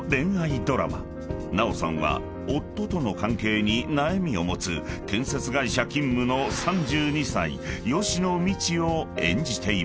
［奈緒さんは夫との関係に悩みを持つ建設会社勤務の３２歳吉野みちを演じています］